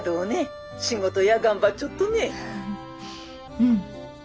うん。